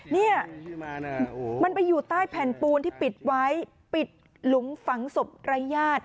เนี่ยมันไปอยู่ใต้แผ่นปูนที่ปิดไว้ปิดหลุมฝังศพรายญาติ